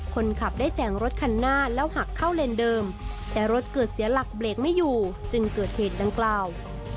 คนขับได้แสงรถคันหน้าแล้วหักเข้าเลนเดิมแต่รถเกิดเสียหลักเบรกไม่อยู่จึงเกิดเหตุดังกล่าว